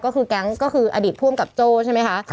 ก็คือแก๊งก็คืออดีตผู้อำกับโจ้ใช่ไหมคะ